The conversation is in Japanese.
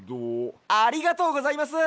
ありがとうございます。